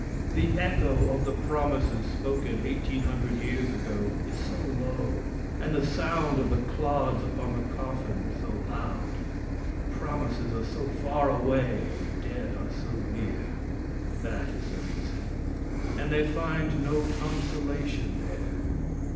The echo of the promises spoken eighteen hundred years ago is so low, and the sound of the clods upon the coffin so loud, the promises are so far away, and the dead are so near. That is the reason. And they find no consolation there.